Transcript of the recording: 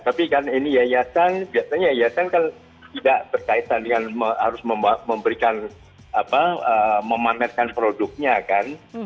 tapi kan ini yayasan biasanya yayasan kan tidak berkaitan dengan harus memberikan apa memamerkan produknya kan